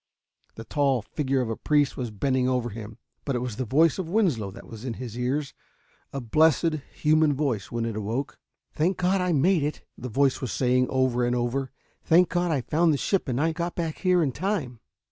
The tall figure of a priest was bending over him, but it was the voice of Winslow that was in his ears a blessed, human voice when he awoke. "Thank God, I made it," the voice was saying, over and over. "Thank God, I found the ship and got back here in time!"